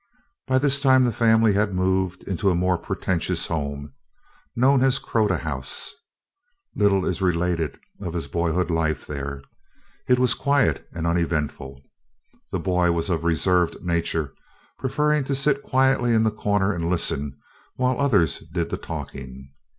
By this time the family had moved into a more pretentious home, known as the Crotta House. Little is related of his boyhood life there. It was quiet and uneventful. The boy was of reserved nature, preferring to sit quietly in the corner and listen while others did the talking.